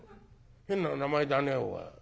変な名前だねおい。